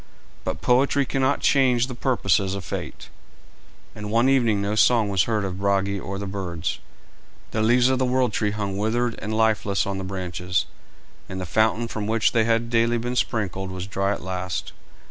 But poetry cannot change the purposes of fate, and one evening no song was heard of Brage or birds, the leaves of the world tree hung withered and lifeless on the branches, and the fountain from which they had daily been sprinkled was dry at last.